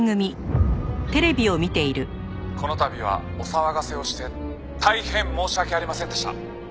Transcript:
「この度はお騒がせをして大変申し訳ありませんでした」